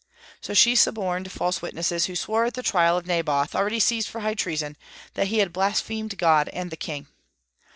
So she suborned false witnesses, who swore at the trial of Naboth, already seized for high treason, that he had blasphemed God and the king.